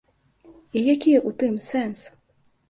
І які ў тым сэнс?